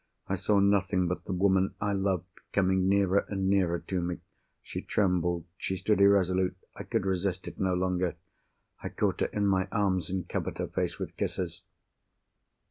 I saw nothing but the woman I loved coming nearer and nearer to me. She trembled; she stood irresolute. I could resist it no longer—I caught her in my arms, and covered her face with kisses.